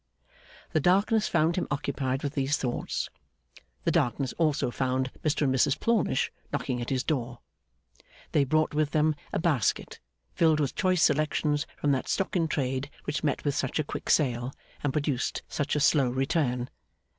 The darkness found him occupied with these thoughts. The darkness also found Mr and Mrs Plornish knocking at his door. They brought with them a basket, filled with choice selections from that stock in trade which met with such a quick sale and produced such a slow return.